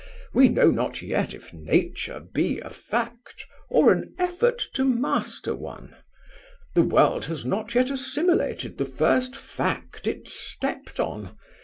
We know not yet if nature be a fact or an effort to master one. The world has not yet assimilated the first fact it stepped on.